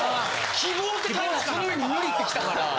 「希望」って書いててその上に「無理」ってきたから。